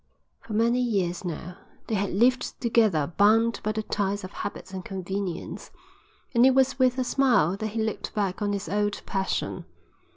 For many years now they had lived together bound by the ties of habit and convenience, and it was with a smile that he looked back on his old passion.